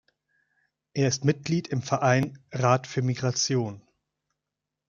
Er ist Mitglied im Verein Rat für Migration.